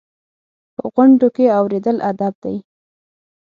په غونډو کې اورېدل ادب دی.